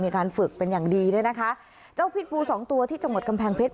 มีการฝึกเป็นอย่างดีเนี่ยนะคะเจ้าพิษบูสองตัวที่จังหวัดกำแพงเพชร